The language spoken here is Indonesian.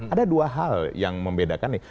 ada dua hal yang membedakan nih